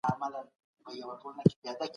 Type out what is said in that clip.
هغه په پوره زړورتيا خبري کولي.